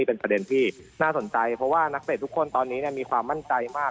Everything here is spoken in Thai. เป็นประเด็นที่น่าสนใจเพราะว่านักเตะทุกคนตอนนี้มีความมั่นใจมาก